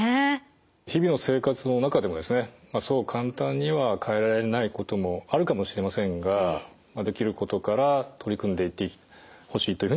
日々の生活の中でもそう簡単には変えられないこともあるかもしれませんができることから取り組んでいってほしいというふうに思います。